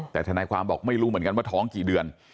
แต่ทนายความบอกไม่รู้เหมือนกันว่าท้องกี่เดือน